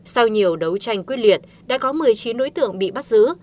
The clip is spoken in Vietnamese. sau nhiều đấu tranh quyết liệt đã có một mươi chín đối tượng bị bắt giữ